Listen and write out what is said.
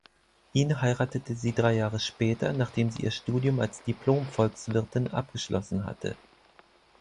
Ihn heiratete sie drei Jahre später, nachdem sie ihr Studium als Diplom-Volkswirtin abgeschlossen hatte.